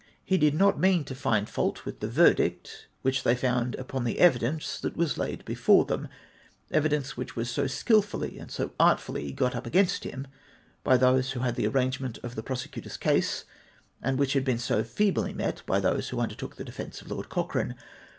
He did not mean to find fault with the verdict which they found upon the evidence that was laid before them— evidence which was so skilfully and so artfully got up against him hy those who had the arrangement of the prosecutor's case, and which had been so feebly met by those who undertook the defence of Lord Cochrane.